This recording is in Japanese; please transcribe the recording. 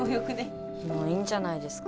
もういいんじゃないですか？